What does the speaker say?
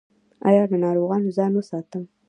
ایا له ناروغانو ځان وساتم؟